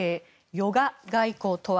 ヨガ外交とは。